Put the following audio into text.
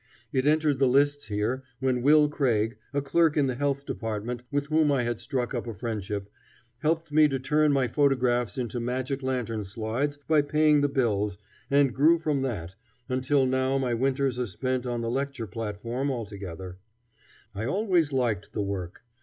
It entered the lists here when Will Craig, a clerk in the Health Department, with whom I had struck up a friendship, helped me turn my photographs into magic lantern slides by paying the bills, and grew from that, until now my winters are spent on the lecture platform altogether. I always liked the work.